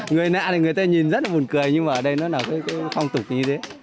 người nạ thì người ta nhìn rất là buồn cười nhưng mà ở đây nó là cái phong tục như thế